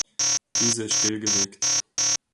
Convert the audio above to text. Diese ist stillgelegt.